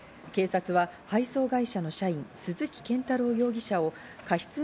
警察は配送会社の社員、鈴木健太郎容疑者を過失